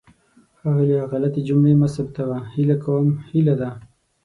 ښاغلیه! غلطې جملې مه ثبتوه. هیله کوم هیله ده.